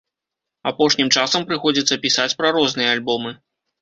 Апошнім часам прыходзіцца пісаць пра розныя альбомы.